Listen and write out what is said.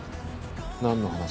何の話？